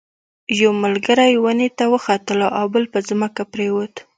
یو ملګری ونې ته وختلو او بل په ځمکه پریوت.